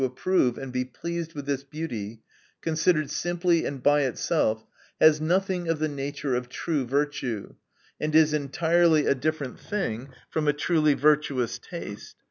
approve and be pleased with this beauty, considered simply and by itself, has nothing of the nature of true virtue, and is entirely a different thing from a truly virtuous taste.